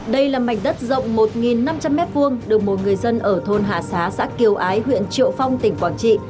đây là mảnh đất rộng một năm trăm linh m hai được một người dân ở thôn hạ xá xã kiều ái huyện triệu phong tỉnh quảng trị